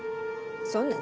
そんなん